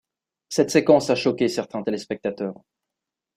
Cette séquence a choqué certains téléspectateurs.